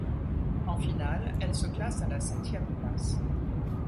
En finale, elles se classe à la septième place.